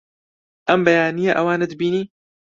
ئەم بەیانییە ئەوانت بینی؟